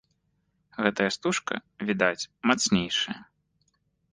Гэтая стужка, відаць, мацнейшая.